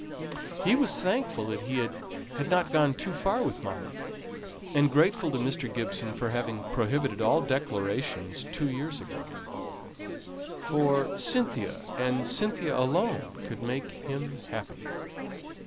He was thankful that he had not gone too far with Molly, and grateful to Mr. Gibson for having prohibited all declarations two years ago; for Cynthia, and Cynthia alone, could make him happy.